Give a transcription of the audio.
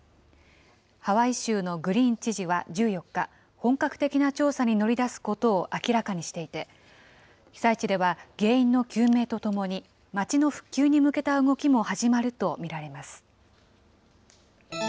ハワイ州のグリーン知事は１４日、本格的な調査に乗り出すことを明らかにしていて、被災地では、原因の究明とともに、街の復旧に向けた動きも始まると見られます。